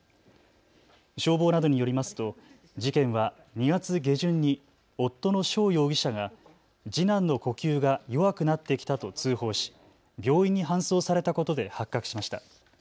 消防などによりますと事件は２月下旬に夫の翔容疑者が次男の呼吸が弱くなってきたと通報し、病院に搬送されたことで発覚しました。